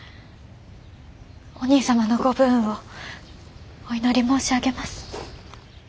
お兄様のご武運をお祈り申し上げます。